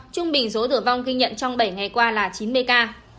trung bình số tử vong ghi nhận trong bảy ngày qua là chín mươi ca